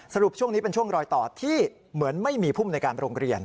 ช่วงนี้เป็นช่วงรอยต่อที่เหมือนไม่มีภูมิในการโรงเรียน